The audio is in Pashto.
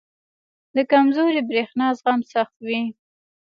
• د کمزوري برېښنا زغم سخت وي.